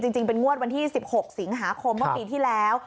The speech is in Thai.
จริงเป็นงวดวันที่๑๖สิงหาคมเมื่อปีที่แล้ว